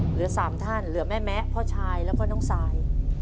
เหลือ๓ท่านเหลือแม่แมะพ่อชายแล้วก็น้องซาย